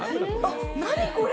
何これ？